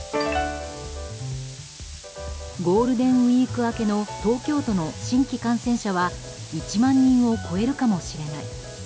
ゴールデンウィーク明けの東京都の新規感染者は１万人を超えるかもしれない。